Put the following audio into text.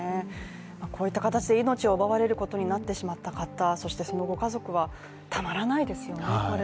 こういった形で命を奪われることになってしまった方、そしてそのご家族は、たまらないですよね。